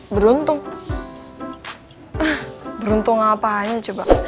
beruntung beruntung apa aja coba